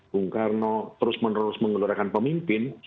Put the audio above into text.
bung karno terus menerus mengelurakan pemimpin